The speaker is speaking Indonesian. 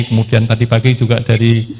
kemudian tadi pagi juga dari